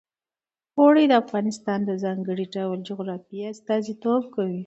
اوړي د افغانستان د ځانګړي ډول جغرافیه استازیتوب کوي.